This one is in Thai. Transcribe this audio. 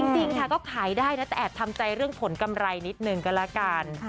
จริงค่ะก็ขายได้นะแต่แอบทำใจเรื่องผลกำไรนิดนึงก็แล้วกัน